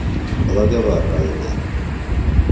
Благовар районы.